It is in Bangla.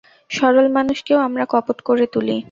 সরল মানুষকেও আমরা কপট করে তুলি।